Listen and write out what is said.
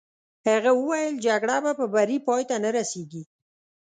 هغه وویل: جګړه په بري پای ته نه رسېږي.